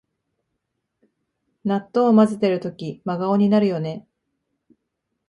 納豆をまぜてるとき真顔になるよね